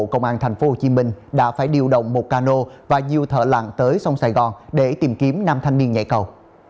công an tp hcm đã phải điều động một cano và nhiều thợ lặn tới sông sài gòn để tìm kiếm năm thanh niên nhảy cầu